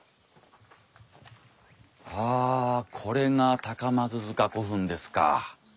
あこれが高松塚古墳ですか。